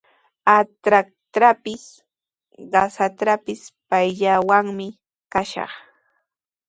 Atraqtrawpis, qasatrawpis payllawanmi kashaq.